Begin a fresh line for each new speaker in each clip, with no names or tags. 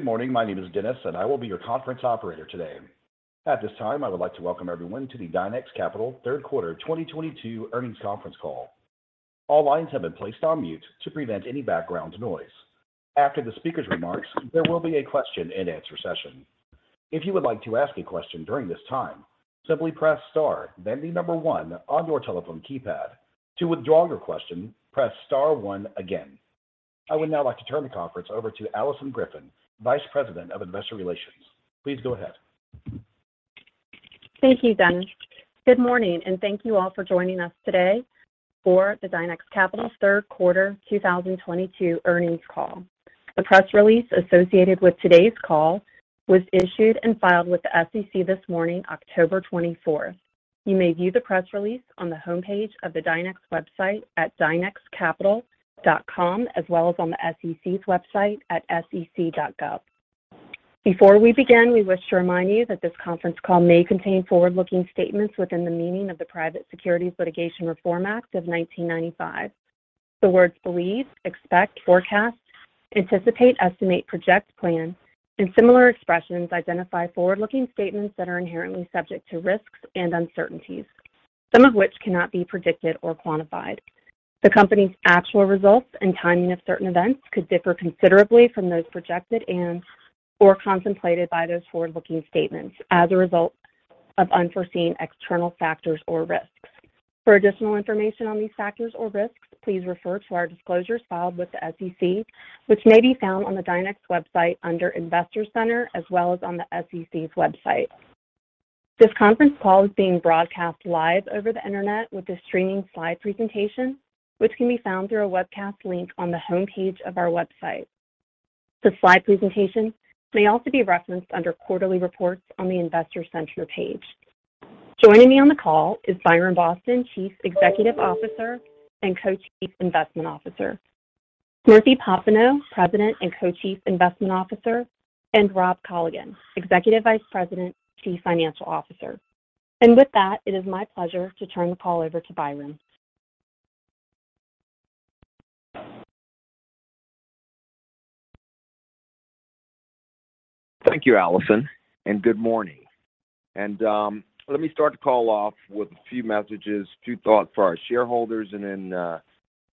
Good morning. My name is Dennis, and I will be your conference operator today. At this time, I would like to welcome everyone to the Dynex Capital Third Quarter 2022 Earnings Conference Call. All lines have been placed on mute to prevent any background noise. After the speaker's remarks, there will be a question-and-answer session. If you would like to ask a question during this time, simply press Star, then the number one on your telephone keypad. To withdraw your question, press star one again. I would now like to turn the conference over to Alison Griffin, Vice President of Investor Relations. Please go ahead.
Thank you, Dennis. Good morning, and thank you all for joining us today for the Dynex Capital third quarter 2022 earnings call. The press release associated with today's call was issued and filed with the SEC this morning, October 24. You may view the press release on the homepage of the Dynex website at dynexcapital.com, as well as on the SEC's website at sec.gov. Before we begin, we wish to remind you that this conference call may contain forward-looking statements within the meaning of the Private Securities Litigation Reform Act of 1995. The words believe, expect, forecast, anticipate, estimate, project, plan, and similar expressions identify forward-looking statements that are inherently subject to risks and uncertainties, some of which cannot be predicted or quantified. The company's actual results and timing of certain events could differ considerably from those projected and or contemplated by those forward-looking statements as a result of unforeseen external factors or risks. For additional information on these factors or risks, please refer to our disclosures filed with the SEC, which may be found on the Dynex website under Investor Center as well as on the SEC's website. This conference call is being broadcast live over the Internet with the streaming slide presentation, which can be found through a webcast link on the homepage of our website. The slide presentation may also be referenced under Quarterly Reports on the Investor Center page. Joining me on the call is Byron Boston, Chief Executive Officer and Co-Chief Investment Officer, Smriti Popenoe, President and Co-Chief Investment Officer, and Rob Colligan, Executive Vice President, Chief Financial Officer. With that, it is my pleasure to turn the call over to Byron.
Thank you, Alison, and good morning. Let me start the call off with a few messages, a few thoughts for our shareholders, and then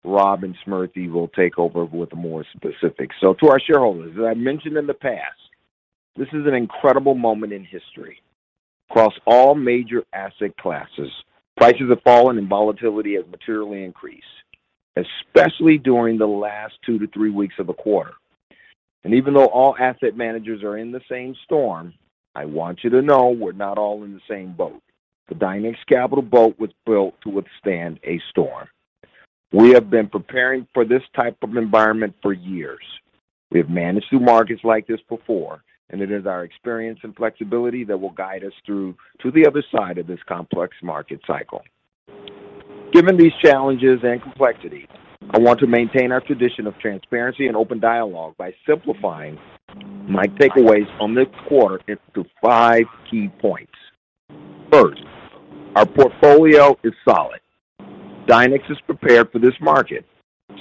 Rob and Smriti will take over with more specifics. To our shareholders, as I mentioned in the past, this is an incredible moment in history. Across all major asset classes, prices have fallen and volatility has materially increased, especially during the last two to three weeks of the quarter. Even though all asset managers are in the same storm, I want you to know we're not all in the same boat. The Dynex Capital boat was built to withstand a storm. We have been preparing for this type of environment for years. We have managed through markets like this before, and it is our experience and flexibility that will guide us through to the other side of this complex market cycle. Given these challenges and complexities, I want to maintain our tradition of transparency and open dialogue by simplifying my takeaways from this quarter into five key points. First, our portfolio is solid. Dynex is prepared for this market.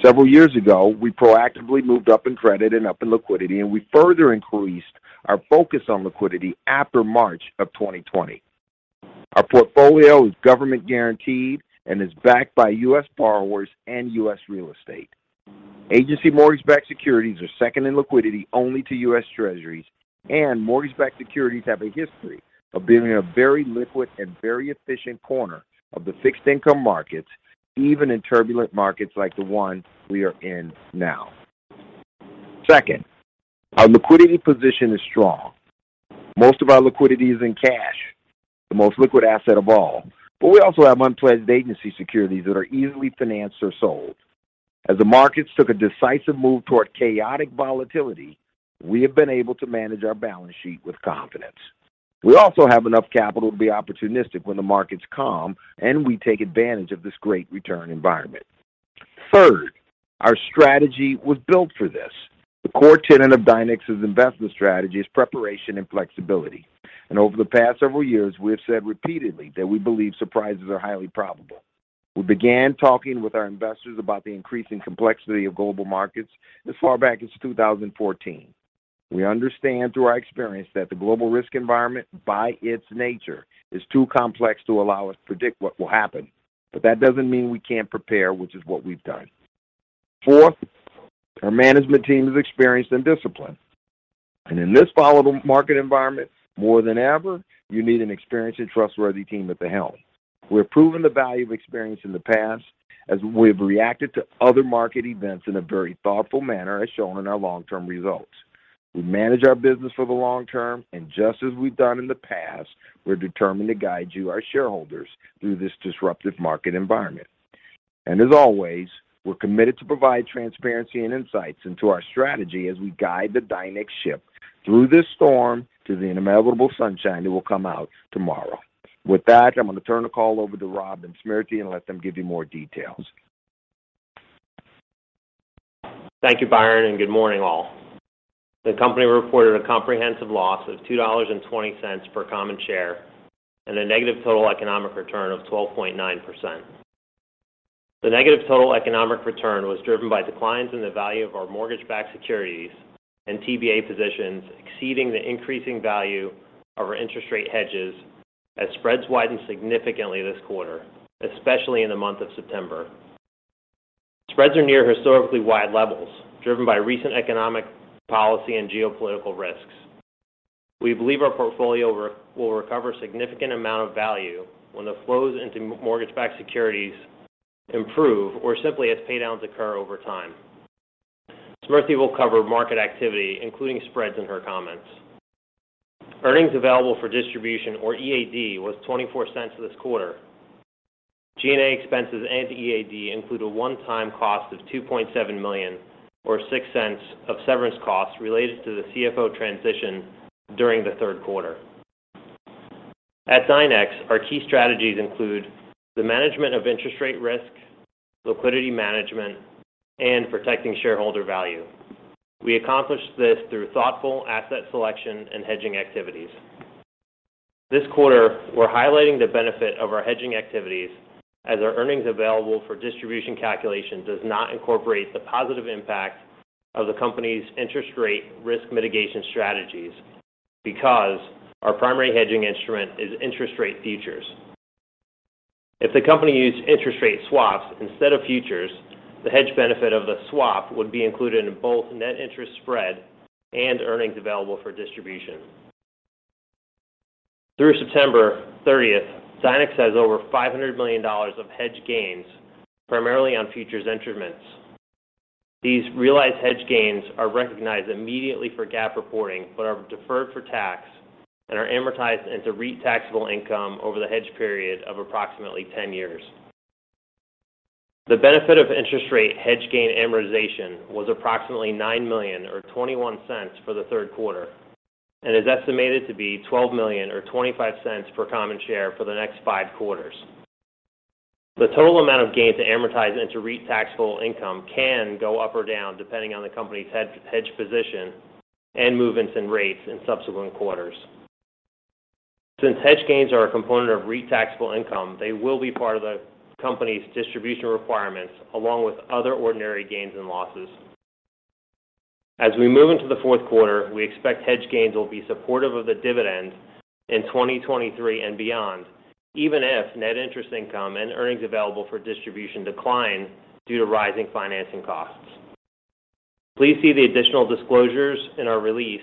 Several years ago, we proactively moved up in credit and up in liquidity, and we further increased our focus on liquidity after March of 2020. Our portfolio is government guaranteed and is backed by U.S. borrowers and U.S. real estate. Agency mortgage-backed securities are second in liquidity only to U.S. Treasuries, and mortgage-backed securities have a history of being a very liquid and very efficient corner of the fixed income markets, even in turbulent markets like the one we are in now. Second, our liquidity position is strong. Most of our liquidity is in cash, the most liquid asset of all. We also have unpledged agency securities that are easily financed or sold. As the markets took a decisive move toward chaotic volatility, we have been able to manage our balance sheet with confidence. We also have enough capital to be opportunistic when the markets calm, and we take advantage of this great return environment. Third, our strategy was built for this. The core tenet of Dynex's investment strategy is preparation and flexibility. Over the past several years, we have said repeatedly that we believe surprises are highly probable. We began talking with our investors about the increasing complexity of global markets as far back as 2014. We understand through our experience that the global risk environment, by its nature, is too complex to allow us to predict what will happen. That doesn't mean we can't prepare, which is what we've done. Fourth, our management team is experienced and disciplined. In this volatile market environment, more than ever, you need an experienced and trustworthy team at the helm. We've proven the value of experience in the past as we've reacted to other market events in a very thoughtful manner, as shown in our long-term results. We manage our business for the long term, and just as we've done in the past, we're determined to guide you, our shareholders, through this disruptive market environment. As always, we're committed to provide transparency and insights into our strategy as we guide the Dynex ship through this storm to the inevitable sunshine it will come out tomorrow. With that, I'm going to turn the call over to Rob and Smriti and let them give you more details.
Thank you, Byron, and good morning, all. The company reported a comprehensive loss of $2.20 per common share and a negative total economic return of 12.9%. The negative total economic return was driven by declines in the value of our mortgage-backed securities and TBA positions exceeding the increasing value of our interest rate hedges as spreads widened significantly this quarter, especially in the month of September. Spreads are near historically wide levels, driven by recent economic policy and geopolitical risks. We believe our portfolio will recover significant amount of value when the flows into mortgage-backed securities improve or simply as pay downs occur over time. Smriti will cover market activity, including spreads in her comments. Earnings available for distribution or EAD was $0.24 this quarter. G&A expenses and EAD include a one-time cost of $2.7 million or $0.06 of severance costs related to the CFO transition during the third quarter. At Dynex, our key strategies include the management of interest rate risk, liquidity management, and protecting shareholder value. We accomplish this through thoughtful asset selection and hedging activities. This quarter, we're highlighting the benefit of our hedging activities as our earnings available for distribution calculation does not incorporate the positive impact of the company's interest rate risk mitigation strategies because our primary hedging instrument is interest rate futures. If the company used interest rate swaps instead of futures, the hedge benefit of the swap would be included in both net interest spread and earnings available for distribution. Through September 30th, Dynex has over $500 million of hedged gains, primarily on futures instruments. These realized hedge gains are recognized immediately for GAAP reporting, but are deferred for tax and are amortized into REIT taxable income over the hedge period of approximately 10 years. The benefit of interest rate hedge gain amortization was approximately $9 million or $0.21 for the third quarter and is estimated to be $12 million or $0.25 per common share for the next 5 quarters. The total amount of gains amortized into REIT taxable income can go up or down depending on the company's hedge position and movements in rates in subsequent quarters. Since hedge gains are a component of REIT taxable income, they will be part of the company's distribution requirements along with other ordinary gains and losses. As we move into the fourth quarter, we expect hedge gains will be supportive of the dividend in 2023 and beyond, even if net interest income and earnings available for distribution decline due to rising financing costs. Please see the additional disclosures in our release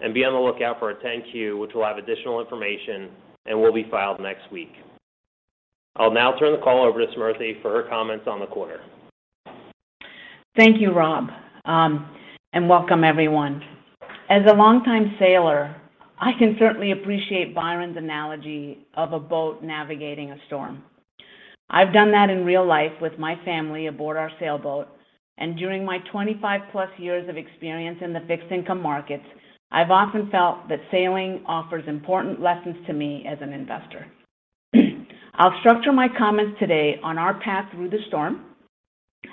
and be on the lookout for our 10-Q, which will have additional information and will be filed next week. I'll now turn the call over to Smriti for her comments on the quarter.
Thank you, Rob, and welcome everyone. As a longtime sailor, I can certainly appreciate Byron's analogy of a boat navigating a storm. I've done that in real life with my family aboard our sailboat, and during my 25+ years of experience in the fixed income markets, I've often felt that sailing offers important lessons to me as an investor. I'll structure my comments today on our path through the storm,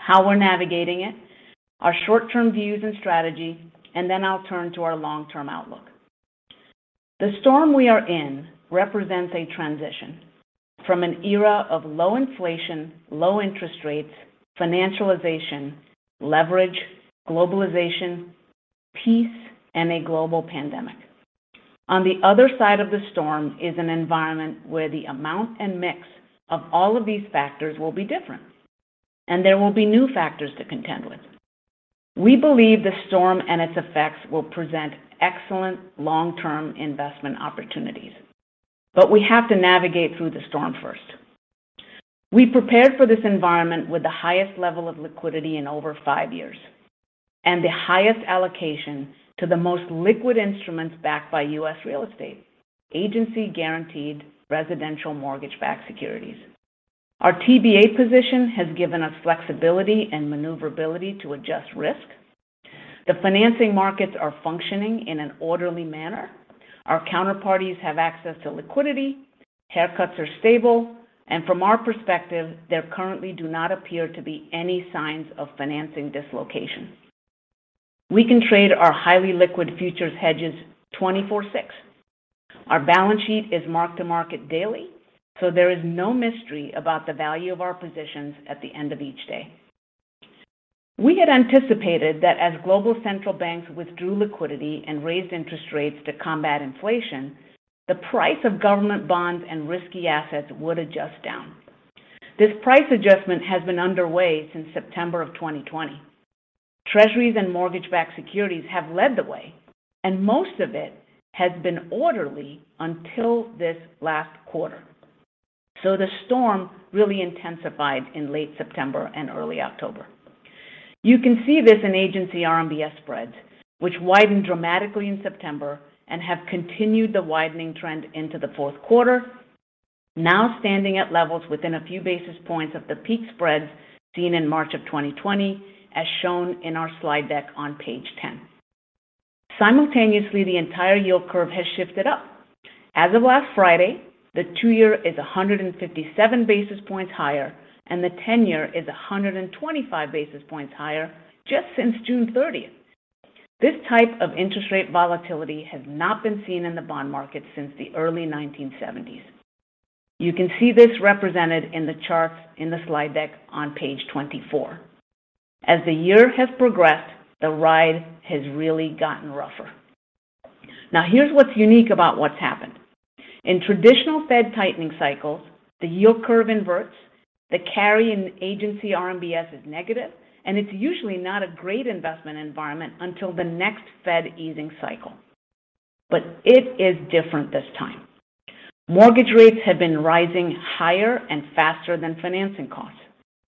how we're navigating it, our short-term views and strategy, and then I'll turn to our long-term outlook. The storm we are in represents a transition from an era of low inflation, low interest rates, financialization, leverage, globalization, peace, and a global pandemic. On the other side of the storm is an environment where the amount and mix of all of these factors will be different, and there will be new factors to contend with. We believe the storm and its effects will present excellent long-term investment opportunities, but we have to navigate through the storm first. We prepared for this environment with the highest level of liquidity in over five years, and the highest allocation to the most liquid instruments backed by U.S. real estate, Agency-guaranteed residential mortgage-backed securities. Our TBA position has given us flexibility and maneuverability to adjust risk. The financing markets are functioning in an orderly manner. Our counterparties have access to liquidity, haircuts are stable, and from our perspective, there currently do not appear to be any signs of financing dislocation. We can trade our highly liquid futures hedges 24/6. Our balance sheet is marked to market daily, so there is no mystery about the value of our positions at the end of each day. We had anticipated that as global central banks withdrew liquidity and raised interest rates to combat inflation, the price of government bonds and risky assets would adjust down. This price adjustment has been underway since September of 2020. Treasuries and mortgage-backed securities have led the way, and most of it has been orderly until this last quarter. The storm really intensified in late September and early October. You can see this in agency RMBS spreads, which widened dramatically in September and have continued the widening trend into the fourth quarter. Now standing at levels within a few basis points of the peak spreads seen in March of 2020, as shown in our slide deck on page 10. Simultaneously, the entire yield curve has shifted up. As of last Friday, the two-year is 157 basis points higher, and the ten-year is 125 basis points higher just since June 30. This type of interest rate volatility has not been seen in the bond market since the early 1970s. You can see this represented in the charts in the slide deck on page 24. As the year has progressed, the ride has really gotten rougher. Now here's what's unique about what's happened. In traditional Fed tightening cycles, the yield curve inverts, the carry in Agency RMBS is negative, and it's usually not a great investment environment until the next Fed easing cycle. It is different this time. Mortgage rates have been rising higher and faster than financing costs,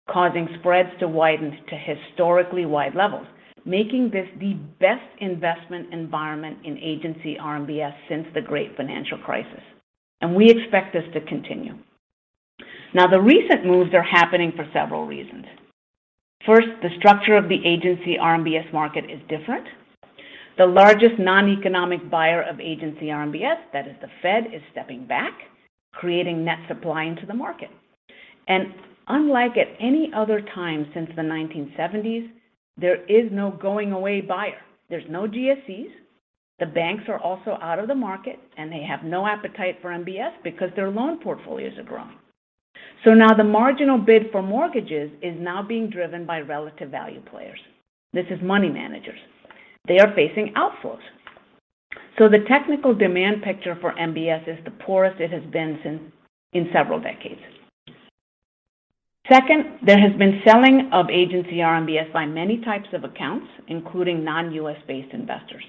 causing spreads to widen to historically wide levels, making this the best investment environment in Agency RMBS since the great financial crisis. We expect this to continue. Now, the recent moves are happening for several reasons. First, the structure of the Agency RMBS market is different. The largest non-economic buyer of Agency RMBS, that is the Fed, is stepping back, creating net supply into the market. Unlike at any other time since the 1970s, there is no going away buyer. There's no GSEs. The banks are also out of the market, and they have no appetite for MBS because their loan portfolios have grown. Now the marginal bid for mortgages is now being driven by relative value players. This is money managers. They are facing outflows. The technical demand picture for MBS is the poorest it has been since in several decades. Second, there has been selling of Agency RMBS by many types of accounts, including non-U.S.-based investors.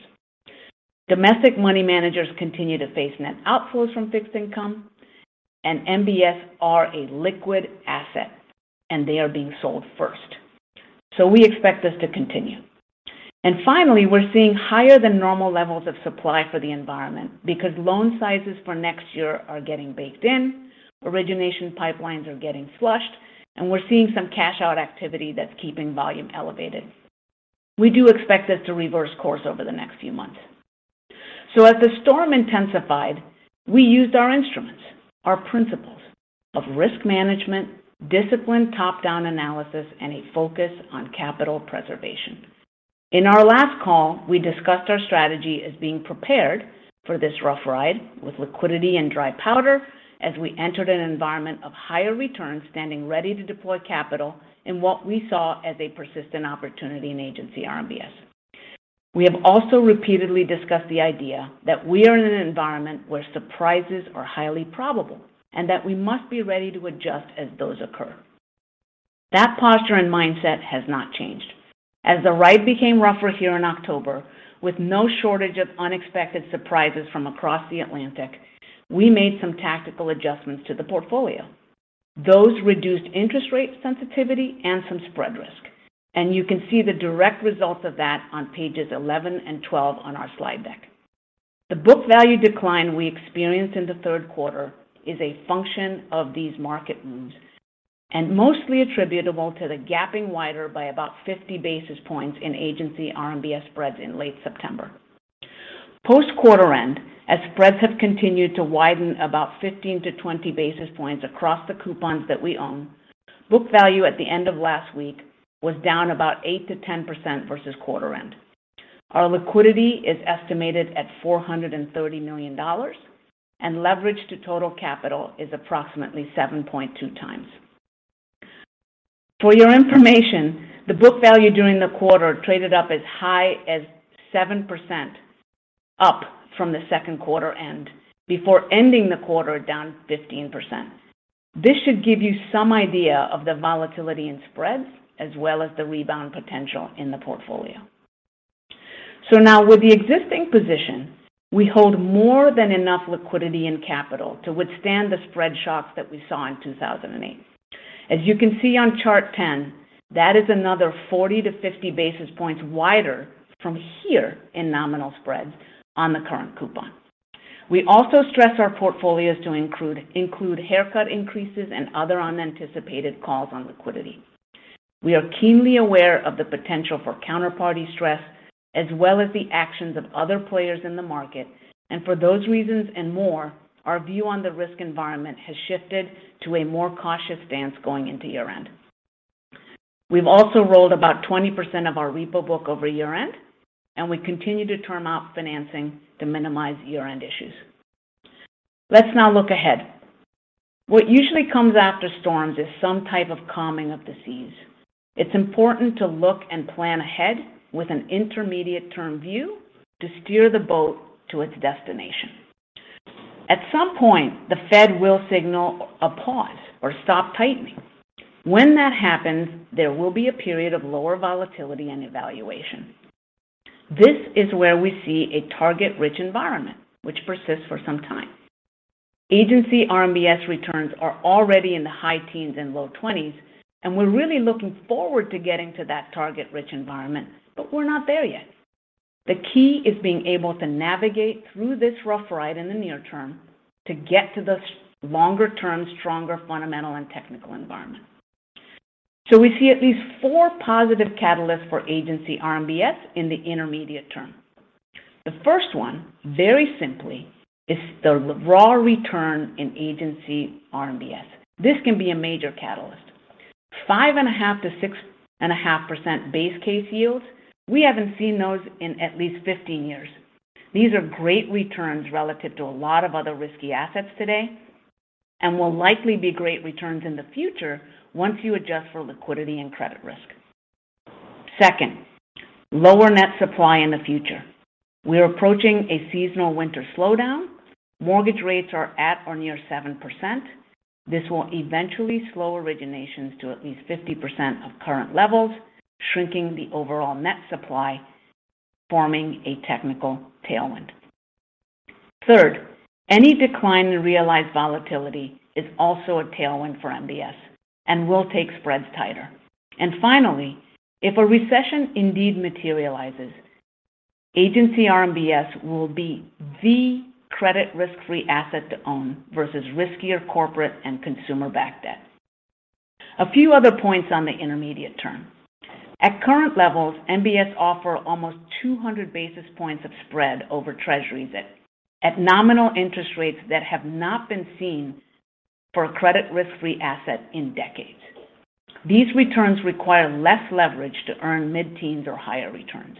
Domestic money managers continue to face net outflows from fixed income, and MBS are a liquid asset, and they are being sold first. We expect this to continue. Finally, we're seeing higher than normal levels of supply for the environment because loan sizes for next year are getting baked in, origination pipelines are getting flushed, and we're seeing some cash out activity that's keeping volume elevated. We do expect this to reverse course over the next few months. As the storm intensified, we used our instruments, our principles of risk management, disciplined top-down analysis, and a focus on capital preservation. In our last call, we discussed our strategy as being prepared for this rough ride with liquidity and dry powder as we entered an environment of higher returns standing ready to deploy capital in what we saw as a persistent opportunity in Agency RMBS. We have also repeatedly discussed the idea that we are in an environment where surprises are highly probable and that we must be ready to adjust as those occur. That posture and mindset has not changed. As the ride became rougher here in October, with no shortage of unexpected surprises from across the Atlantic, we made some tactical adjustments to the portfolio. Those reduced interest rate sensitivity and some spread risk. You can see the direct results of that on pages 11 and 12 on our slide deck. The book value decline we experienced in the third quarter is a function of these market moves and mostly attributable to the gapping wider by about 50 basis points in Agency RMBS spreads in late September. Post quarter end, as spreads have continued to widen about 15-20 basis points across the coupons that we own, book value at the end of last week was down about 8%-10% versus quarter end. Our liquidity is estimated at $430 million, and leverage to total capital is approximately 7.2x. For your information, the book value during the quarter traded up as high as 7% up from the second quarter end before ending the quarter down 15%. This should give you some idea of the volatility in spreads as well as the rebound potential in the portfolio. Now with the existing position, we hold more than enough liquidity and capital to withstand the spread shocks that we saw in 2008. As you can see on chart 10, that is another 40-50 basis points wider from here in nominal spreads on the current coupon. We also stress our portfolios to include haircut increases and other unanticipated calls on liquidity. We are keenly aware of the potential for counterparty stress as well as the actions of other players in the market. For those reasons and more, our view on the risk environment has shifted to a more cautious stance going into year-end. We've also rolled about 20% of our repo book over year-end, and we continue to term out financing to minimize year-end issues. Let's now look ahead. What usually comes after storms is some type of calming of the seas. It's important to look and plan ahead with an intermediate term view to steer the boat to its destination. At some point, the Fed will signal a pause or stop tightening. When that happens, there will be a period of lower volatility and evaluation. This is where we see a target-rich environment which persists for some time. Agency RMBS returns are already in the high teens and low 20s, and we're really looking forward to getting to that target-rich environment, but we're not there yet. The key is being able to navigate through this rough ride in the near term to get to the longer-term, stronger fundamental and technical environment. We see at least four positive catalysts for agency RMBS in the intermediate term. The first one, very simply, is the raw return in agency RMBS. This can be a major catalyst. 5.5%-6.5% base case yields, we haven't seen those in at least 15 years. These are great returns relative to a lot of other risky assets today, and will likely be great returns in the future once you adjust for liquidity and credit risk. Second, lower net supply in the future. We are approaching a seasonal winter slowdown. Mortgage rates are at or near 7%. This will eventually slow originations to at least 50% of current levels, shrinking the overall net supply, forming a technical tailwind. Third, any decline in realized volatility is also a tailwind for MBS and will take spreads tighter. Finally, if a recession indeed materializes, Agency RMBS will be the credit risk-free asset to own versus riskier corporate and consumer-backed debt. A few other points on the intermediate term. At current levels, MBS offer almost 200 basis points of spread over Treasury debt at nominal interest rates that have not been seen for a credit risk-free asset in decades. These returns require less leverage to earn mid-teens or higher returns.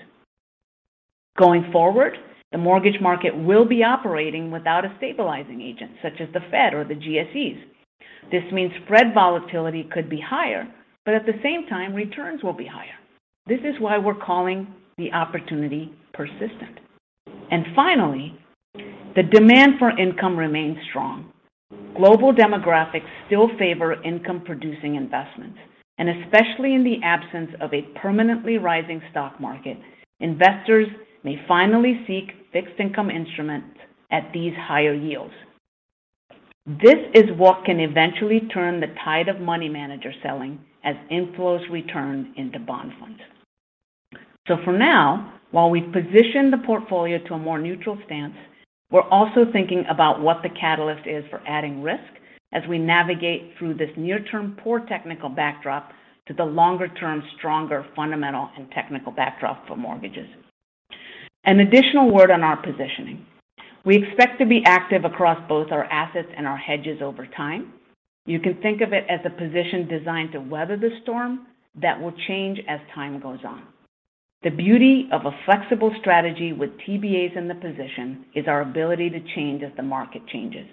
Going forward, the mortgage market will be operating without a stabilizing agent such as the Fed or the GSEs. This means spread volatility could be higher, but at the same time, returns will be higher. This is why we're calling the opportunity persistent. Finally, the demand for income remains strong. Global demographics still favor income-producing investments, and especially in the absence of a permanently rising stock market, investors may finally seek fixed income instruments at these higher yields. This is what can eventually turn the tide of money manager selling as inflows return into bond funds. For now, while we position the portfolio to a more neutral stance, we're also thinking about what the catalyst is for adding risk as we navigate through this near-term poor technical backdrop to the longer-term, stronger fundamental and technical backdrop for mortgages. An additional word on our positioning. We expect to be active across both our assets and our hedges over time. You can think of it as a position designed to weather the storm that will change as time goes on. The beauty of a flexible strategy with TBAs in the position is our ability to change as the market changes.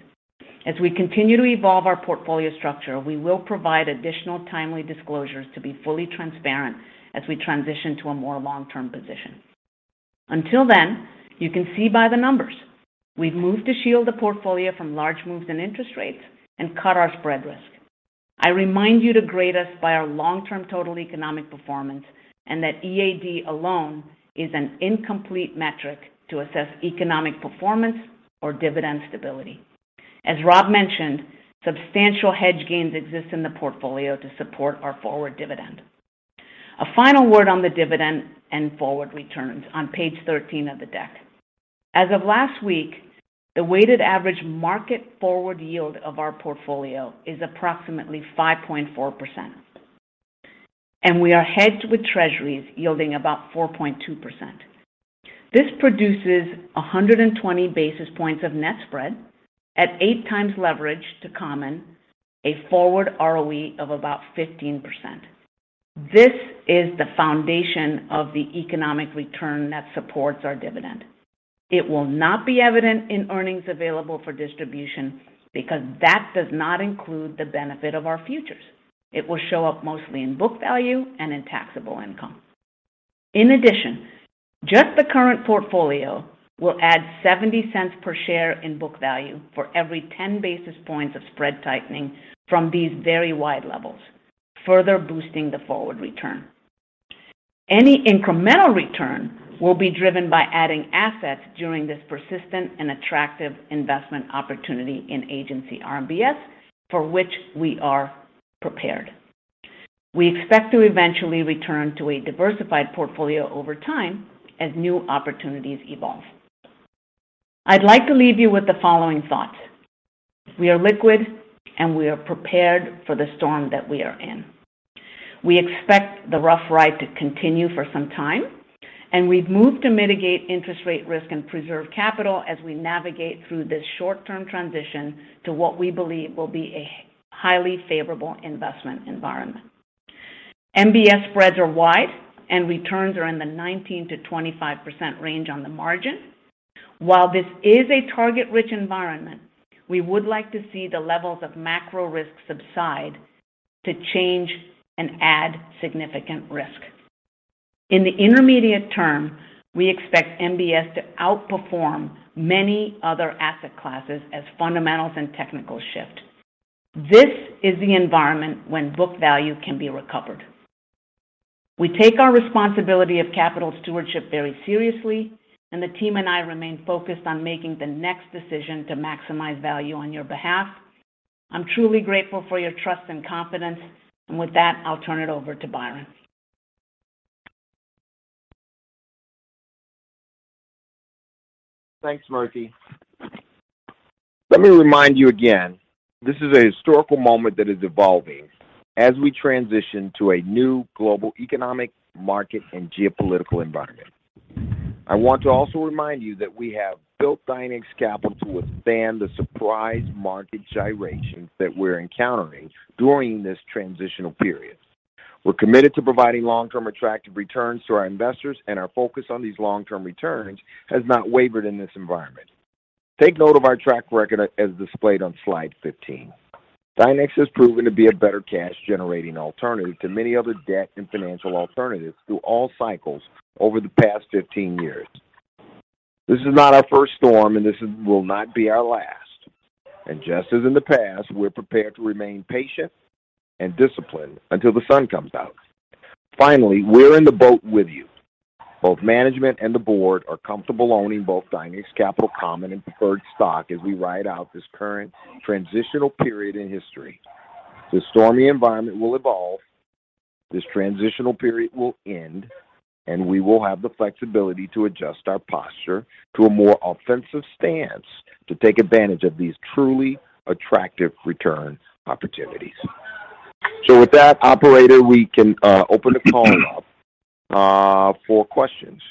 As we continue to evolve our portfolio structure, we will provide additional timely disclosures to be fully transparent as we transition to a more long-term position. Until then, you can see by the numbers. We've moved to shield the portfolio from large moves in interest rates and cut our spread risk. I remind you to grade us by our long-term total economic performance, and that EAD alone is an incomplete metric to assess economic performance or dividend stability. As Rob mentioned, substantial hedge gains exist in the portfolio to support our forward dividend. A final word on the dividend and forward returns on page 13 of the deck. As of last week, the weighted average market forward yield of our portfolio is approximately 5.4%, and we are hedged with Treasuries yielding about 4.2%. This produces 120 basis points of net spread at 8x leverage to common, a forward ROE of about 15%. This is the foundation of the economic return that supports our dividend. It will not be evident in earnings available for distribution because that does not include the benefit of our futures. It will show up mostly in book value and in taxable income. In addition, just the current portfolio will add $0.70 per share in book value for every 10 basis points of spread tightening from these very wide levels, further boosting the forward return. Any incremental return will be driven by adding assets during this persistent and attractive investment opportunity in Agency RMBS, for which we are prepared. We expect to eventually return to a diversified portfolio over time as new opportunities evolve. I'd like to leave you with the following thoughts. We are liquid, and we are prepared for the storm that we are in. We expect the rough ride to continue for some time, and we've moved to mitigate interest rate risk and preserve capital as we navigate through this short-term transition to what we believe will be a highly favorable investment environment. MBS spreads are wide, and returns are in the 19%-25% range on the margin. While this is a target-rich environment, we would like to see the levels of macro risk subside to change and add significant risk. In the intermediate term, we expect MBS to outperform many other asset classes as fundamentals and technical shift. This is the environment when book value can be recovered. We take our responsibility of capital stewardship very seriously, and the team and I remain focused on making the next decision to maximize value on your behalf. I'm truly grateful for your trust and confidence. With that, I'll turn it over to Byron.
Thanks, Smriti. Let me remind you again, this is a historical moment that is evolving as we transition to a new global economic market and geopolitical environment. I want to also remind you that we have built Dynex Capital to withstand the surprise market gyrations that we're encountering during this transitional period. We're committed to providing long-term attractive returns to our investors, and our focus on these long-term returns has not wavered in this environment. Take note of our track record as displayed on slide 15. Dynex has proven to be a better cash generating alternative to many other debt and financial alternatives through all cycles over the past 15 years. This is not our first storm, and this will not be our last. Just as in the past, we're prepared to remain patient and disciplined until the sun comes out. Finally, we're in the boat with you. Both management and the board are comfortable owning both Dynex Capital common and preferred stock as we ride out this current transitional period in history. This stormy environment will evolve, this transitional period will end, and we will have the flexibility to adjust our posture to a more offensive stance to take advantage of these truly attractive return opportunities. With that, operator, we can open the call up for questions.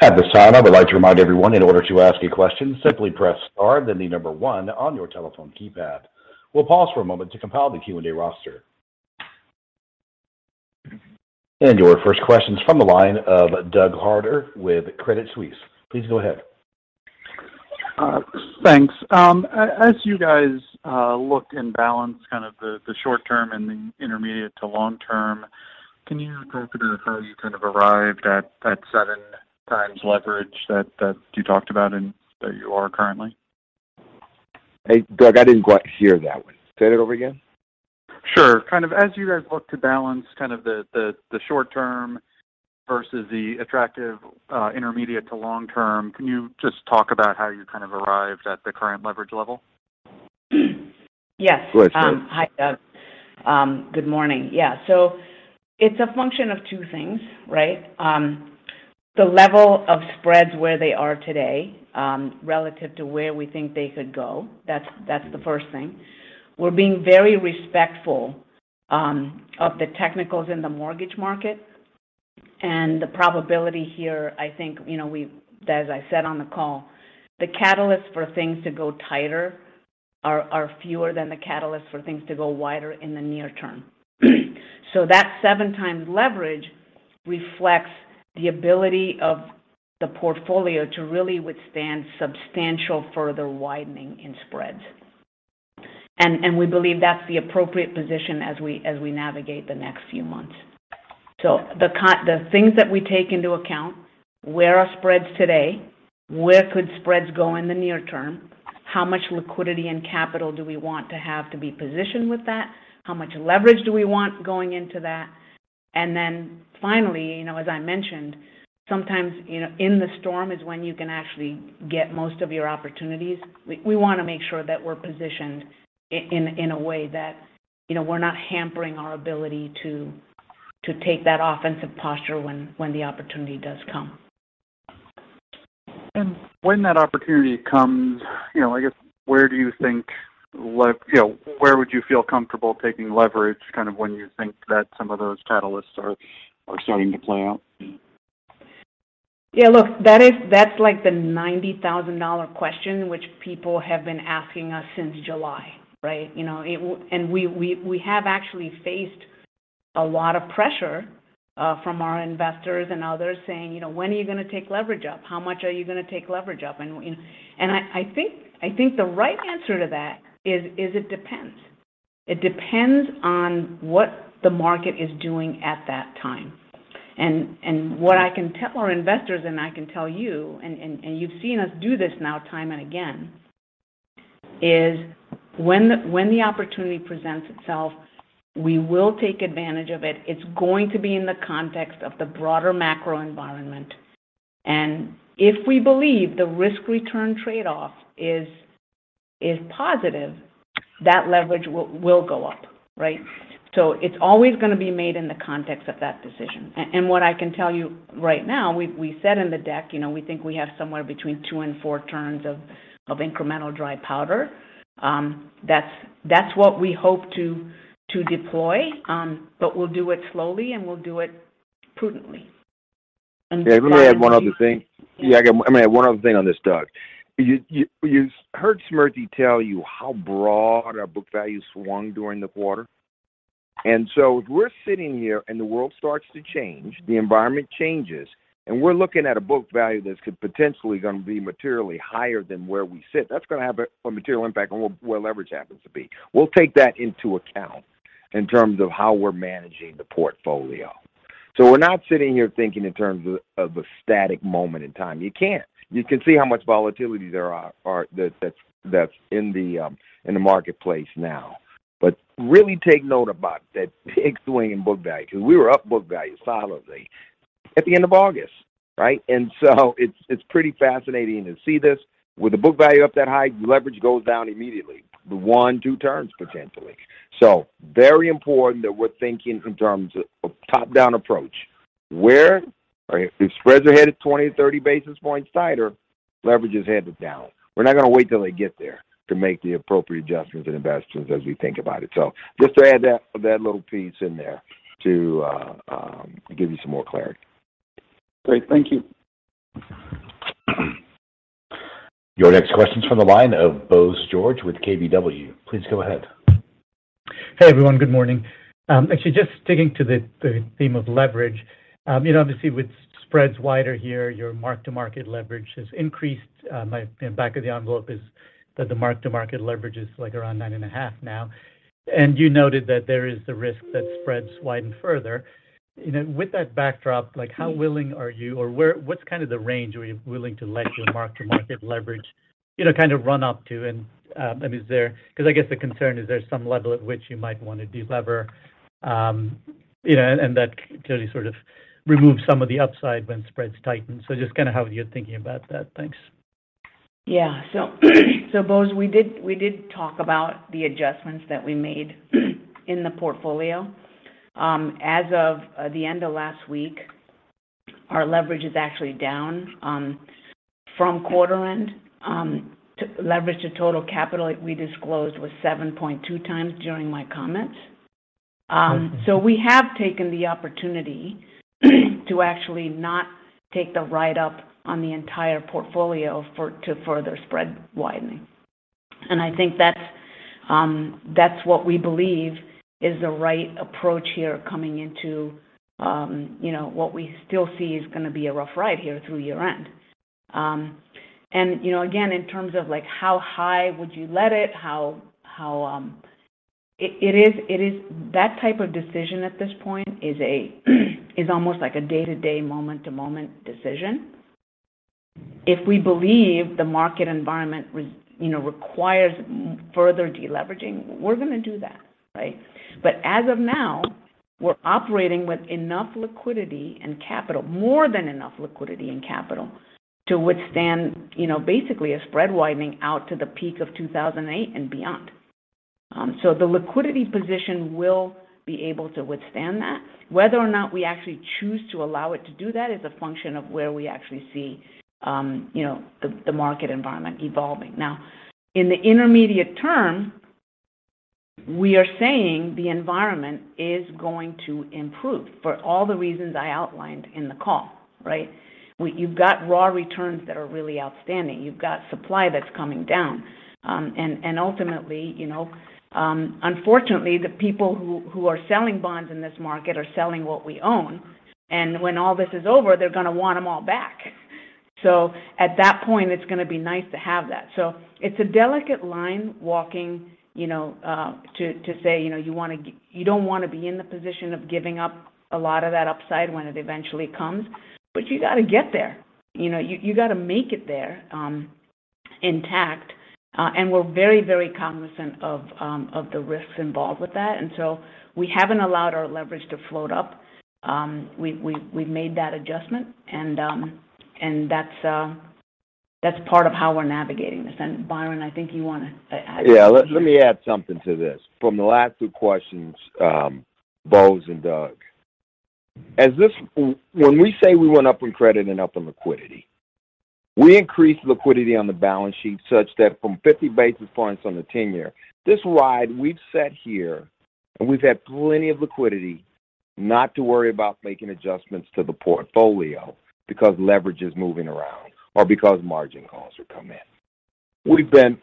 At this time, I would like to remind everyone in order to ask a question, simply press star, then the number one on your telephone keypad. We'll pause for a moment to compile the Q&A roster. Your first question is from the line of Doug Harter with Credit Suisse. Please go ahead.
Thanks. As you guys look and balance kind of the short term and the intermediate to long term, can you talk to how you kind of arrived at that 7x leverage that you talked about and that you are currently?
Hey, Doug, I didn't quite hear that one. Say that over again.
Sure. Kind of as you guys look to balance kind of the short term versus the attractive, intermediate to long term, can you just talk about how you kind of arrived at the current leverage level?
Go ahead, Smriti.
Yes. Hi, Doug. Good morning. Yeah. It's a function of two things, right? The level of spreads where they are today, relative to where we think they could go. That's the first thing. We're being very respectful of the technicals in the mortgage market and the probability here, I think, you know, as I said on the call, the catalyst for things to go tighter are fewer than the catalyst for things to go wider in the near term. That 7x leverage reflects the ability of the portfolio to really withstand substantial further widening in spreads. And we believe that's the appropriate position as we navigate the next few months. The things that we take into account, where are spreads today? Where could spreads go in the near term? How much liquidity and capital do we want to have to be positioned with that? How much leverage do we want going into that? Finally, you know, as I mentioned, sometimes, you know, in the storm is when you can actually get most of your opportunities. We want to make sure that we're positioned in a way that, you know, we're not hampering our ability to take that offensive posture when the opportunity does come.
When that opportunity comes, you know, I guess, you know, where would you feel comfortable taking leverage kind of when you think that some of those catalysts are starting to play out?
Yeah, look, that's like the $90,000 question which people have been asking us since July, right? You know, we have actually faced a lot of pressure from our investors and others saying, you know, "When are you going to take leverage up? How much are you going to take leverage up?" I think the right answer to that is it depends. It depends on what the market is doing at that time. What I can tell our investors, and I can tell you, and you've seen us do this now time and again, is when the opportunity presents itself, we will take advantage of it. It's going to be in the context of the broader macro environment. If we believe the risk return trade-off is positive, that leverage will go up, right? It's always going to be made in the context of that decision. What I can tell you right now, we said in the deck, you know, we think we have somewhere between two and four turns of incremental dry powder. That's what we hope to deploy, but we'll do it slowly, and we'll do it prudently and smartly.
Yeah. Let me add one other thing. Yeah. I mean, one other thing on this, Doug. You heard Smriti tell you how broad our book value swung during the quarter. If we're sitting here and the world starts to change, the environment changes, and we're looking at a book value that's potentially going to be materially higher than where we sit, that's going to have a material impact on where leverage happens to be. We'll take that into account in terms of how we're managing the portfolio. We're not sitting here thinking in terms of a static moment in time. You can't. You can see how much volatility there are that's in the marketplace now. Really take note about that big swing in book value because we were up book value solidly at the end of August, right? It's pretty fascinating to see this. With the book value up that high, leverage goes down immediately, one, two turns potentially. Very important that we're thinking in terms of a top-down approach. If spreads are headed 20-30 basis points tighter, leverage is headed down. We're not going to wait till they get there to make the appropriate adjustments and investments as we think about it. Just to add that little piece in there to give you some more clarity.
Great. Thank you.
Your next question is from the line of Bose George with KBW. Please go ahead.
Hey, everyone. Good morning. Actually, just sticking to the theme of leverage, you know, obviously with spreads wider here, your mark-to-market leverage has increased. My back of the envelope is that the mark-to-market leverage is like around 9.5 now. You noted that there is the risk that spreads widen further. You know, with that backdrop, like, how willing are you or what's kind of the range are you willing to let your mark-to-market leverage, you know, kind of run up to? And is there. Because I guess the concern is there's some level at which you might want to delever, you know, and that clearly sort of removes some of the upside when spreads tighten. Just kind of how you're thinking about that. Thanks.
Yeah. Bose, we did talk about the adjustments that we made in the portfolio. As of the end of last week, our leverage is actually down from quarter end. Leverage to total capital we disclosed was 7.2x during my comments. We have taken the opportunity to actually not take the write-up on the entire portfolio to further spread widening. I think that's what we believe is the right approach here coming into, you know, what we still see is gonna be a rough ride here through year-end. You know, again, in terms of, like, how high would you let it, how. It is that type of decision at this point is almost like a day-to-day, moment-to-moment decision. If we believe the market environment requires further deleveraging, we're gonna do that, right? As of now, we're operating with enough liquidity and capital, more than enough liquidity and capital to withstand, you know, basically a spread widening out to the peak of 2008 and beyond. The liquidity position will be able to withstand that. Whether or not we actually choose to allow it to do that is a function of where we actually see, you know, the market environment evolving. Now, in the intermediate term, we are saying the environment is going to improve for all the reasons I outlined in the call, right? You've got raw returns that are really outstanding. You've got supply that's coming down. Ultimately, you know, unfortunately, the people who are selling bonds in this market are selling what we own. When all this is over, they're gonna want them all back. At that point, it's gonna be nice to have that. It's a delicate line walking, you know, to say, you know, you wanna you don't wanna be in the position of giving up a lot of that upside when it eventually comes. You got to get there. You know, you got to make it there, intact. We're very cognizant of the risks involved with that. We haven't allowed our leverage to float up. We've made that adjustment. That's part of how we're navigating this. Byron, I think you wanna add.
Yeah. Let me add something to this from the last two questions, Bose and Doug. When we say we went up in credit and up in liquidity, we increased liquidity on the balance sheet such that from 50 basis points on the 10-year, this ride we've sat here, and we've had plenty of liquidity not to worry about making adjustments to the portfolio because leverage is moving around or because margin calls would come in. We've been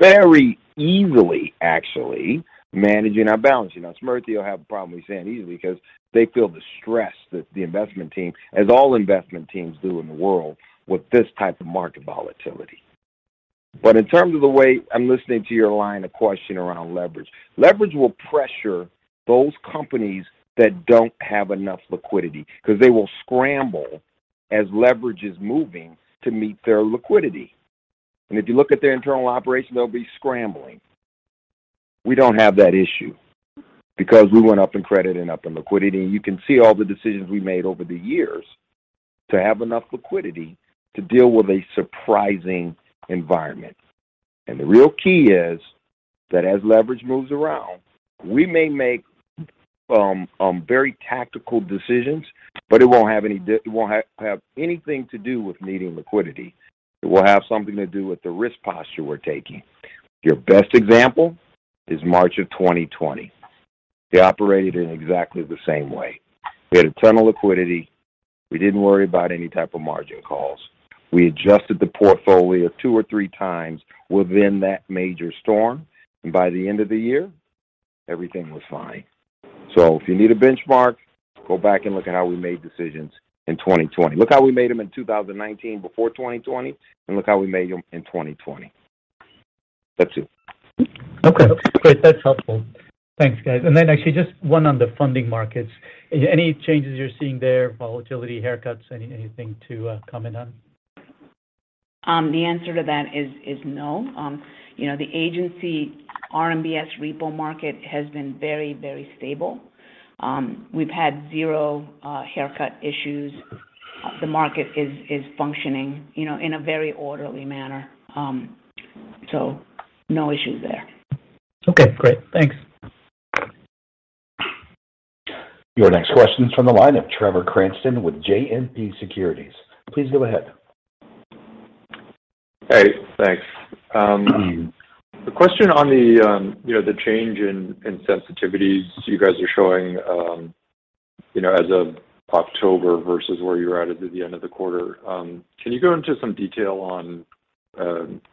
very easily actually managing our balance. You know, Smriti will have a problem with saying easily because they feel the stress that the investment team, as all investment teams do in the world, with this type of market volatility. In terms of the way I'm listening to your line of questioning around leverage will pressure those companies that don't have enough liquidity because they will scramble as leverage is moving to meet their liquidity. If you look at their internal operations, they'll be scrambling. We don't have that issue because we went up in credit and up in liquidity. You can see all the decisions we made over the years to have enough liquidity to deal with a surprising environment. The real key is that as leverage moves around, we may make very tactical decisions, but it won't have anything to do with needing liquidity. It will have something to do with the risk posture we're taking. Your best example is March of 2020. We operated in exactly the same way. We had a ton of liquidity. We didn't worry about any type of margin calls. We adjusted the portfolio two or three times within that major storm, and by the end of the year, everything was fine. If you need a benchmark, go back and look at how we made decisions in 2020. Look how we made them in 2019 before 2020, and look how we made them in 2020. That's it.
Okay, great. That's helpful. Thanks, guys. Actually just one on the funding markets. Any changes you're seeing there, volatility, haircuts, anything to comment on?
The answer to that is no. You know, the Agency RMBS repo market has been very stable. We've had zero haircut issues. The market is functioning, you know, in a very orderly manner. No issues there.
Okay, great. Thanks.
Your next question is from the line of Trevor Cranston with JMP Securities. Please go ahead.
Hey, thanks. The question on the, you know, the change in sensitivities you guys are showing, you know, as of October versus where you're at at the end of the quarter, can you go into some detail on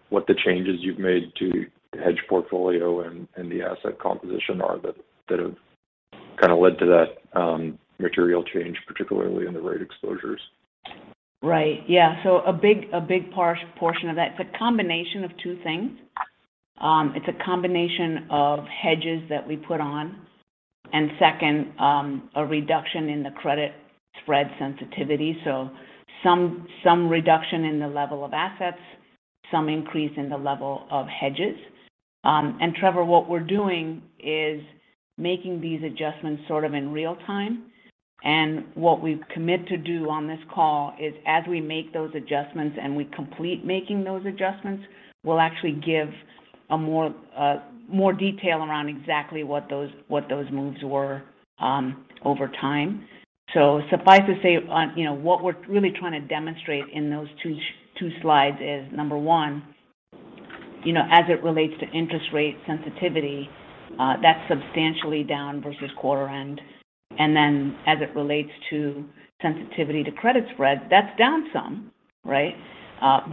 what the changes you've made to hedge portfolio and the asset composition are that have kind of led to that material change, particularly in the rate exposures?
Right. Yeah. A big portion of that, it's a combination of two things. It's a combination of hedges that we put on, and second, a reduction in the credit spread sensitivity. Some reduction in the level of assets, some increase in the level of hedges. Trevor, what we're doing is making these adjustments sort of in real time. What we commit to do on this call is as we make those adjustments and we complete making those adjustments, we'll actually give a more detail around exactly what those moves were, over time. Suffice to say, you know, what we're really trying to demonstrate in those two slides is number one, you know, as it relates to interest rate sensitivity, that's substantially down versus quarter end. As it relates to sensitivity to credit spread, that's down some, right? On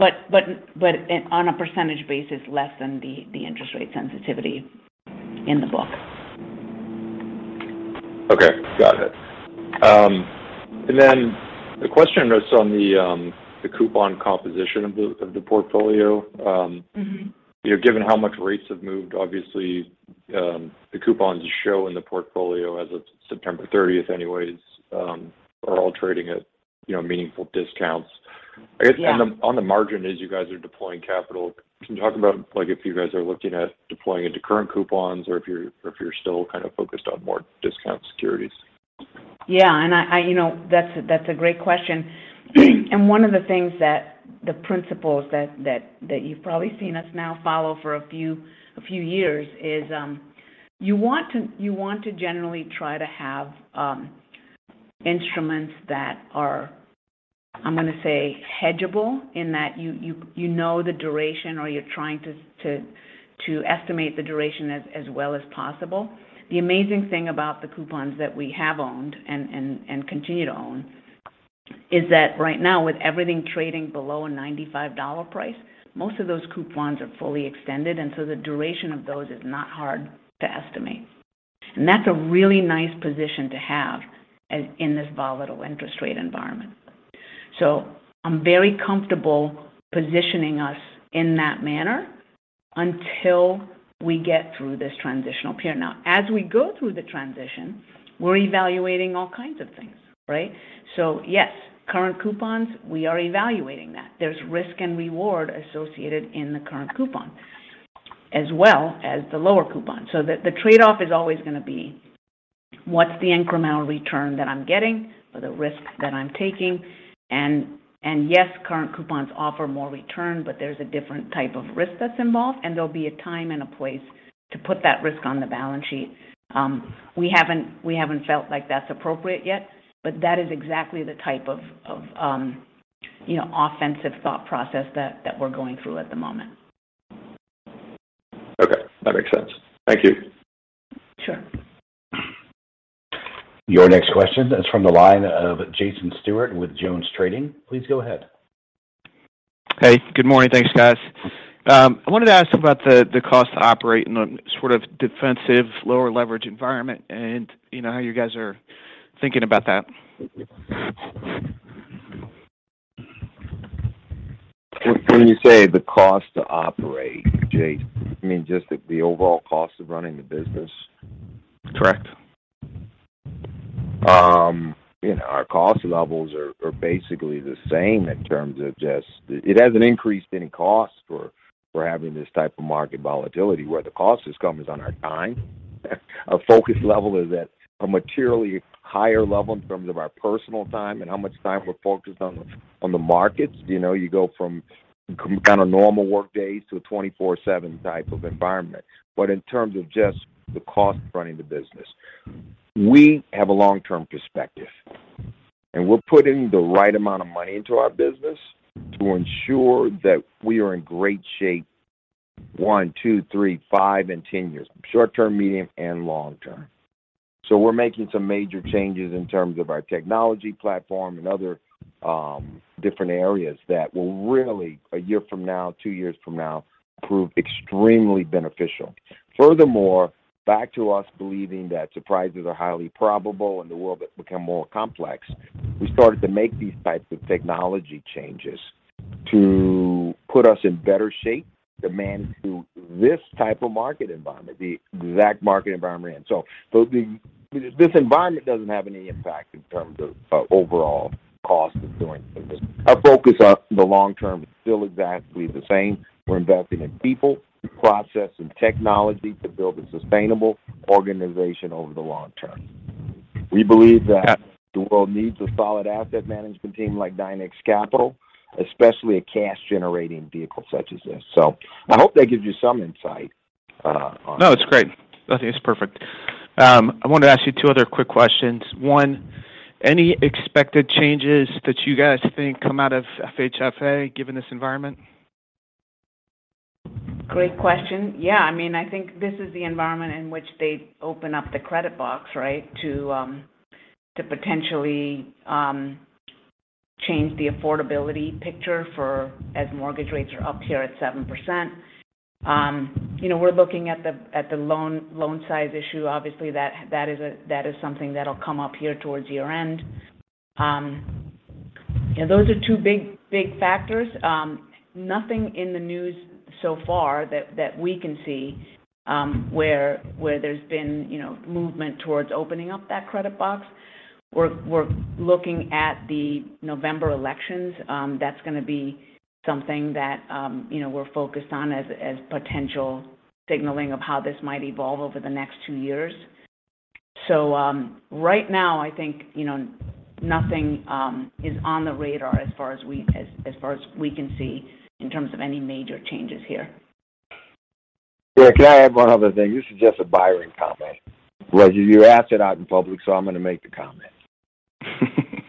a percentage basis, less than the interest rate sensitivity in the book.
Okay. Got it. The question is on the coupon composition of the portfolio.
Mm-hmm.
You know, given how much rates have moved, obviously, the coupons shown in the portfolio as of September thirtieth anyways are all trading at, you know, meaningful discounts.
Yeah.
I guess on the margin as you guys are deploying capital, can you talk about like if you guys are looking at deploying into current coupons or if you're still kind of focused on more discount securities?
Yeah. I you know, that's a great question. One of the things that the principles that you've probably seen us follow now for a few years is you want to generally try to have instruments that are. I'm gonna say hedgeable in that you know the duration or you're trying to estimate the duration as well as possible. The amazing thing about the coupons that we have owned and continue to own is that right now, with everything trading below a $95 price, most of those coupons are fully extended, and so the duration of those is not hard to estimate. That's a really nice position to have as in this volatile interest rate environment. I'm very comfortable positioning us in that manner until we get through this transitional period. Now, as we go through the transition, we're evaluating all kinds of things, right? Yes, current coupons, we are evaluating that. There's risk and reward associated in the current coupon as well as the lower coupon. The trade-off is always gonna be what's the incremental return that I'm getting for the risk that I'm taking? Yes, current coupons offer more return, but there's a different type of risk that's involved, and there'll be a time and a place to put that risk on the balance sheet. We haven't felt like that's appropriate yet, but that is exactly the type of you know, offensive thought process that we're going through at the moment.
Okay. That makes sense. Thank you.
Sure.
Your next question is from the line of Jason Stewart with JonesTrading. Please go ahead.
Hey, good morning. Thanks, guys. I wanted to ask about the cost to operate in a sort of defensive lower leverage environment and you know, how you guys are thinking about that.
When you say the cost to operate, Jason, you mean just the overall cost of running the business?
Correct.
You know, our cost levels are basically the same in terms of just. It hasn't increased any cost for having this type of market volatility. Where the cost has come is on our time. Our focus level is at a materially higher level in terms of our personal time and how much time we're focused on the markets. You know, you go from kind of normal work days to a 24/7 type of environment. In terms of just the cost of running the business, we have a long-term perspective, and we're putting the right amount of money into our business to ensure that we are in great shape one, two, three, five and 10 years. Short-term, medium and long-term. We're making some major changes in terms of our technology platform and other different areas that will really a year from now, two years from now, prove extremely beneficial. Furthermore, back to us believing that surprises are highly probable and the world has become more complex, we started to make these types of technology changes to put us in better shape to manage through this type of market environment, the exact market environment we're in. This environment doesn't have any impact in terms of overall cost of doing business. Our focus on the long term is still exactly the same. We're investing in people, process and technology to build a sustainable organization over the long term. We believe that the world needs a solid asset management team like Dynex Capital, especially a cash-generating vehicle such as this. I hope that gives you some insight.
No, it's great. I think it's perfect. I wanted to ask you two other quick questions. One, any expected changes that you guys think come out of FHFA given this environment?
Great question. Yeah, I mean, I think this is the environment in which they open up the credit box, right? To potentially change the affordability picture for, as mortgage rates are up here at 7%. You know, we're looking at the loan size issue, obviously, that is something that'll come up here towards year-end. Those are two big factors. Nothing in the news so far that we can see where there's been, you know, movement towards opening up that credit box. We're looking at the November elections. That's gonna be something that you know, we're focused on as potential signaling of how this might evolve over the next two years. Right now, I think, you know, nothing is on the radar as far as we can see in terms of any major changes here.
Yeah. Can I add one other thing? This is just a Byron comment. You asked it out in public, so I'm gonna make the comment.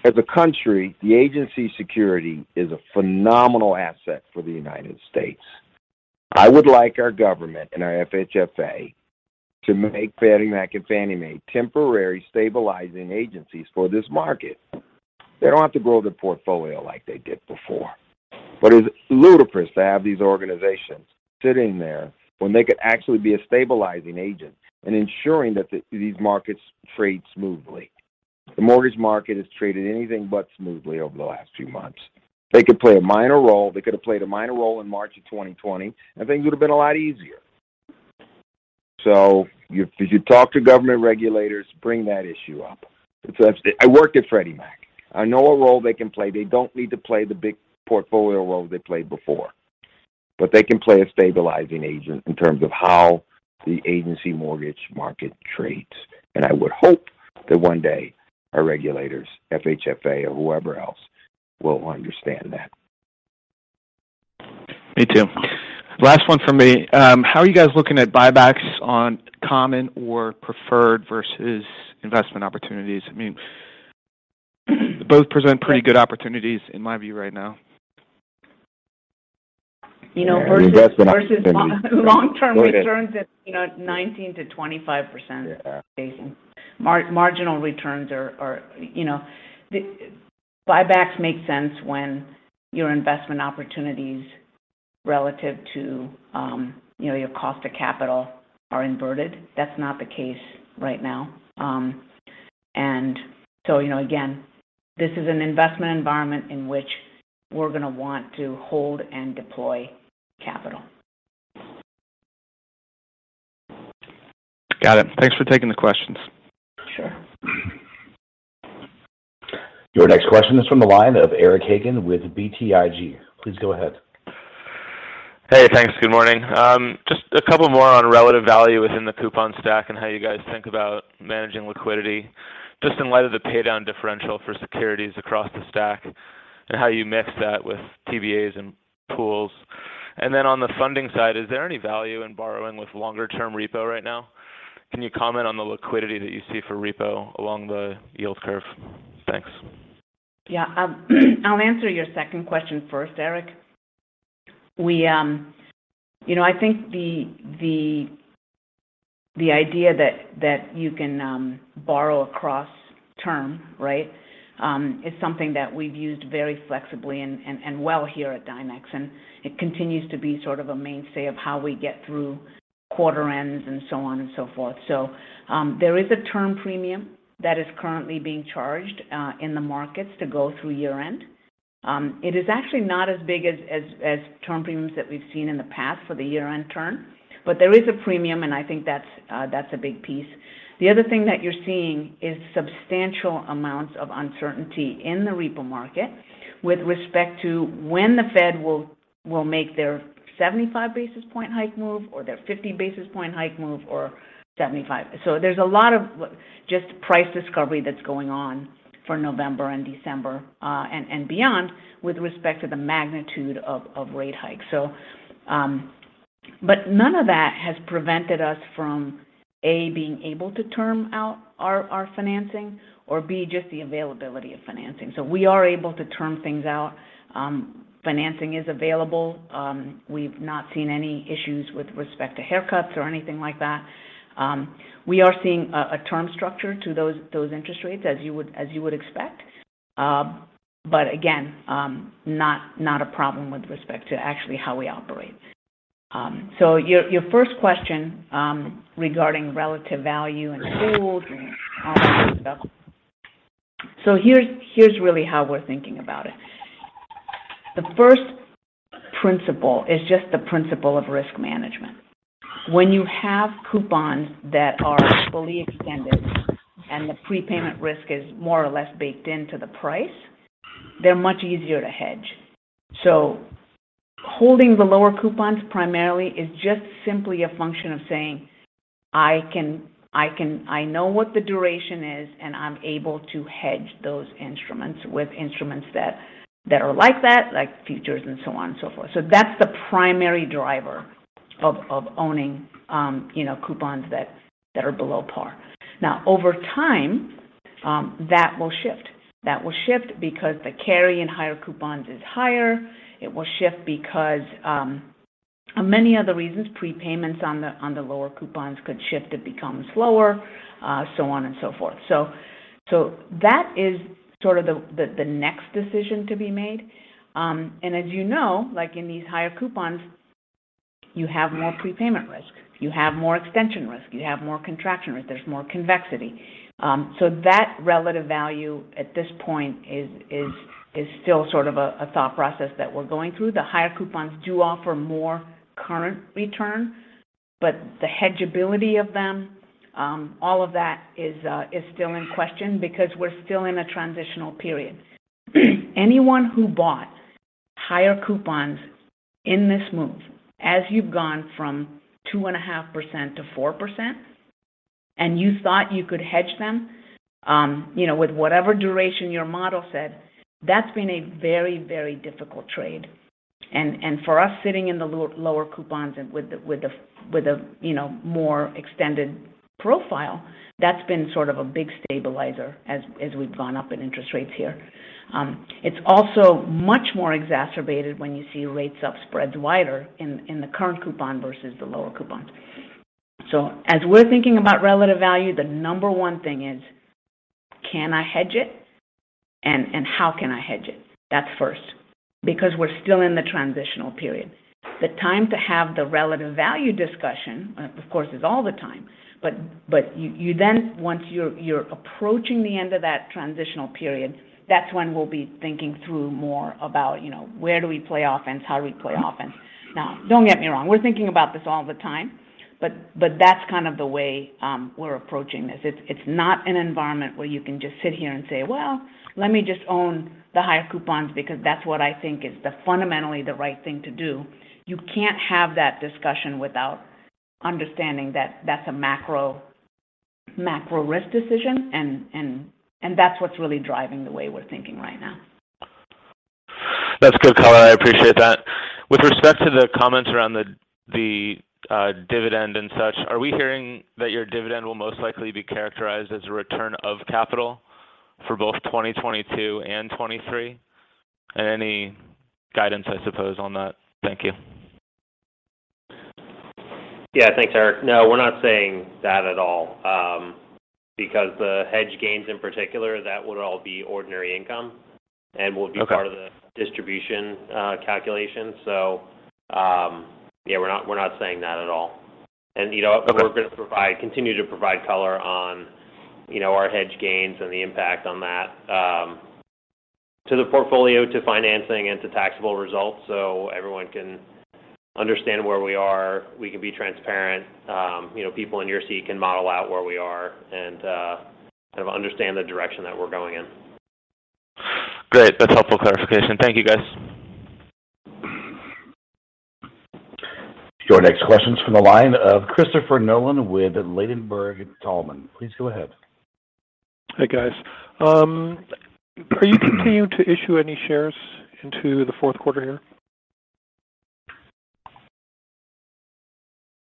As a country, the agency security is a phenomenal asset for the United States. I would like our government and our FHFA to make Freddie Mac and Fannie Mae temporary stabilizing agencies for this market. They don't have to grow their portfolio like they did before. It's ludicrous to have these organizations sitting there when they could actually be a stabilizing agent in ensuring that these markets trade smoothly. The mortgage market has traded anything but smoothly over the last few months. They could play a minor role. They could have played a minor role in March of 2020, and things would have been a lot easier. If you talk to government regulators, bring that issue up. I worked at Freddie Mac. I know a role they can play. They don't need to play the big portfolio role they played before. But they can play a stabilizing agent in terms of how the agency mortgage market trades. I would hope that one day our regulators, FHFA or whoever else, will understand that.
Me too. Last one for me. How are you guys looking at buybacks on common or preferred versus investment opportunities? I mean, both present pretty good opportunities in my view right now.
You know, versus long-term returns at, you know, 19%-25%.
Yeah.
Marginal returns are, you know, buybacks make sense when your investment opportunities relative to, you know, your cost of capital are inverted. That's not the case right now. You know, again, this is an investment environment in which we're gonna want to hold and deploy capital.
Got it. Thanks for taking the questions.
Sure.
Your next question is from the line of Eric Hagen with BTIG. Please go ahead.
Hey, thanks. Good morning. Just a couple more on relative value within the coupon stack and how you guys think about managing liquidity, just in light of the pay-down differential for securities across the stack and how you mix that with TBAs and pools. On the funding side, is there any value in borrowing with longer term repo right now? Can you comment on the liquidity that you see for repo along the yield curve? Thanks.
Yeah. I'll answer your second question first, Eric. You know, I think the idea that you can borrow across term, right, is something that we've used very flexibly and well here at Dynex, and it continues to be sort of a mainstay of how we get through quarter ends and so on and so forth. There is a term premium that is currently being charged in the markets to go through year-end. It is actually not as big as term premiums that we've seen in the past for the year-end term, but there is a premium, and I think that's a big piece. The other thing that you're seeing is substantial amounts of uncertainty in the repo market with respect to when the Fed will make their 75 basis points hike move or their 50 basis points hike move or 75? There's a lot of just price discovery that's going on for November and December and beyond with respect to the magnitude of rate hikes. None of that has prevented us from, A, being able to term out our financing or, B, just the availability of financing. We are able to term things out. Financing is available. We've not seen any issues with respect to haircuts or anything like that. We are seeing a term structure to those interest rates as you would expect. Again, not a problem with respect to actually how we operate. Your first question regarding relative value and hold and stuff. Here's really how we're thinking about it. The first principle is just the principle of risk management. When you have coupons that are fully extended and the prepayment risk is more or less baked into the price, they're much easier to hedge. Holding the lower coupons primarily is just simply a function of saying I know what the duration is, and I'm able to hedge those instruments with instruments that are like that, like futures and so on and so forth. That's the primary driver of owning, you know, coupons that are below par. Now, over time, that will shift. That will shift because the carry in higher coupons is higher. It will shift because many other reasons. Prepayments on the lower coupons could shift. It becomes lower, so on and so forth. That is sort of the next decision to be made. As you know, like in these higher coupons, you have more prepayment risk, you have more extension risk, you have more contraction risk. There's more convexity. That relative value at this point is still sort of a thought process that we're going through. The higher coupons do offer more current return, but the hedge ability of them, all of that is still in question because we're still in a transitional period. Anyone who bought higher coupons in this move, as you've gone from 2.5%-4% and you thought you could hedge them, you know, with whatever duration your model said, that's been a very, very difficult trade. For us, sitting in the lower coupons and with the, you know, more extended profile, that's been sort of a big stabilizer as we've gone up in interest rates here. It's also much more exacerbated when you see rates up spreads wider in the current coupon versus the lower coupons. As we're thinking about relative value, the number one thing is, can I hedge it and how can I hedge it? That's first, because we're still in the transitional period. The time to have the relative value discussion, of course, is all the time. Once you're approaching the end of that transitional period, that's when we'll be thinking through more about, you know, where do we play offense, how do we play offense. Now, don't get me wrong, we're thinking about this all the time, but that's kind of the way we're approaching this. It's not an environment where you can just sit here and say, "Well, let me just own the higher coupons, because that's what I think is fundamentally the right thing to do." You can't have that discussion without understanding that that's a macro risk decision. And that's what's really driving the way we're thinking right now.
That's good, Smriti, I appreciate that. With respect to the comments around the dividend and such, are we hearing that your dividend will most likely be characterized as a return of capital for both 2022 and 2023? Any guidance, I suppose, on that? Thank you.
Yeah. Thanks, Eric. No, we're not saying that at all, because the hedge gains in particular, that would all be ordinary income and will be.
Okay.
-part of the distribution, calculation. Yeah, we're not saying that at all. You know- We're gonna provide, continue to provide color on, you know, our hedge gains and the impact on that to the portfolio, to financing and to taxable results so everyone can understand where we are. We can be transparent. You know, people in your seat can model out where we are and kind of understand the direction that we're going in.
Great. That's helpful clarification. Thank you, guys.
Your next question is from the line of Christopher Nolan with Ladenburg Thalmann. Please go ahead.
Hey, guys. Are you continuing to issue any shares into the fourth quarter here?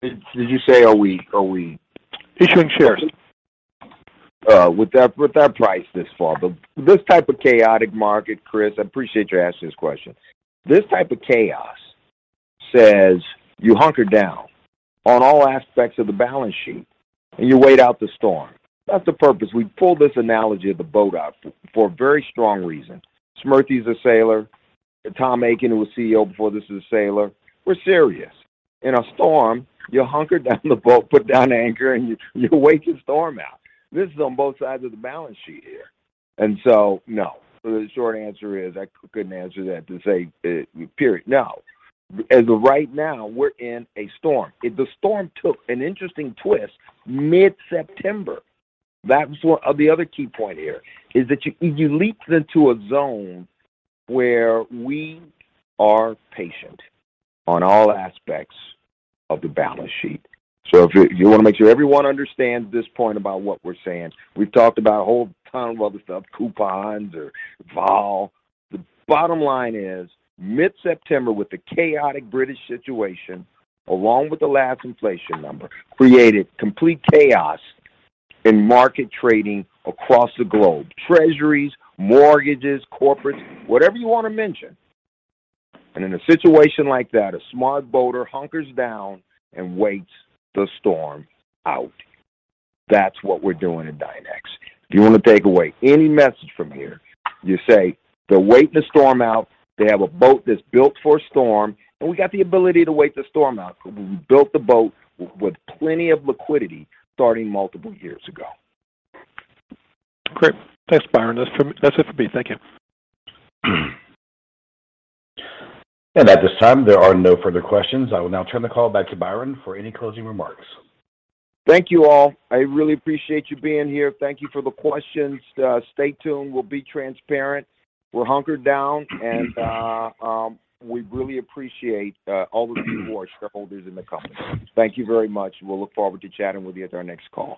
Did you say are we?
Issuing shares?
With that price this far. This type of chaotic market, Chris, I appreciate you asking this question. This type of chaos says you hunker down on all aspects of the balance sheet and you wait out the storm. That's the purpose. We pulled this analogy of the boat out for a very strong reason. Smriti is a sailor. Tom Akin, who was CEO before this, is a sailor. We're serious. In a storm, you hunker down the boat, put down anchor, and you wait out the storm. This is on both sides of the balance sheet here. No, the short answer is I couldn't answer that to say, period no. As of right now, we're in a storm. The storm took an interesting twist mid-September. That was one of the other key point here is that you leaped into a zone where we are patient on all aspects of the balance sheet. If you wanna make sure everyone understands this point about what we're saying. We've talked about a whole ton of other stuff, coupons or vol. The bottom line is mid-September with the chaotic British situation, along with the last inflation number, created complete chaos in market trading across the globe. Treasuries, mortgages, corporates, whatever you wanna mention. In a situation like that, a smart boater hunkers down and waits the storm out. That's what we're doing at Dynex. If you want to take away any message from here, you say they're waiting the storm out. They have a boat that's built for a storm, and we got the ability to wait the storm out. We built the boat with plenty of liquidity starting multiple years ago.
Great. Thanks, Byron. That's it for me. Thank you.
At this time, there are no further questions. I will now turn the call back to Byron for any closing remarks.
Thank you all. I really appreciate you being here. Thank you for the questions. Stay tuned. We'll be transparent. We're hunkered down, and we really appreciate all of you for our shareholders in the company. Thank you very much. We'll look forward to chatting with you at our next call.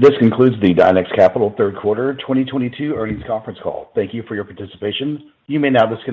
This concludes the Dynex Capital third quarter 2022 earnings conference call. Thank you for your participation. You may now disconnect.